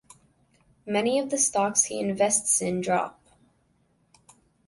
Many of the stocks he invests in drop.